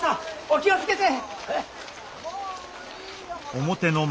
お気を付けて！